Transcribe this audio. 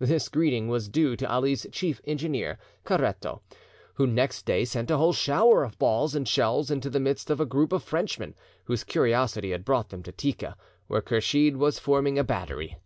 This greeting was due to Ali's chief engineer, Caretto, who next day sent a whole shower of balls and shells into the midst of a group of Frenchmen, whose curiosity had brought them to Tika, where Kursheed was forming a battery.